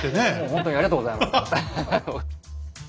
ほんとにありがとうございます！